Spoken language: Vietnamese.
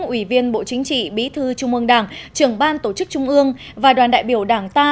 ủy viên bộ chính trị bí thư trung ương đảng trưởng ban tổ chức trung ương và đoàn đại biểu đảng ta